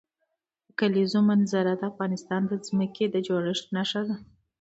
د کلیزو منظره د افغانستان د ځمکې د جوړښت نښه ده.